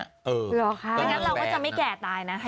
เออแล้วก็จะไม่แก่ตายนะ